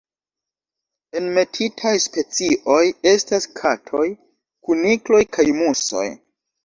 Enmetitaj specioj estas katoj, kunikloj kaj musoj.